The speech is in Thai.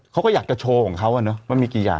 เขาก็อยากจะโชว์ของเขามันมีกี่อย่าง